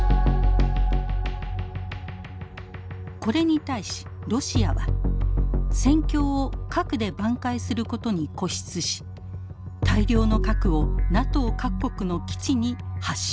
これに対しロシアは戦況を核で挽回することに固執し大量の核をＮＡＴＯ各国の基地に発射。